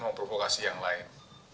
memprovokasi yang lain